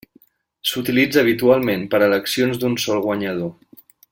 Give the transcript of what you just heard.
S'utilitza habitualment per a eleccions d'un sol guanyador.